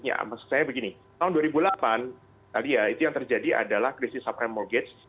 nah selanjutnya saya begini tahun dua ribu delapan tadi ya itu yang terjadi adalah krisis subprime mortgage